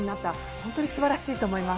本当に素晴らしいと思います。